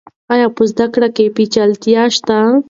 آیا په زده کړه کې پیچلتیا شته؟